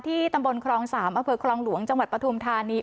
ตำบลครอง๓อำเภอคลองหลวงจังหวัดปฐุมธานี